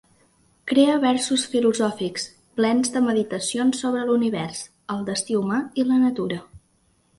Crea versos filosòfics, plens de meditacions sobre l'univers, el destí humà i la natura.